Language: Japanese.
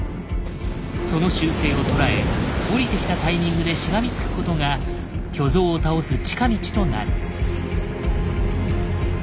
その習性を捉え降りてきたタイミングでしがみつくことが巨像を倒す近道となる。